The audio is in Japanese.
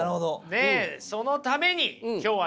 でそのために今日はね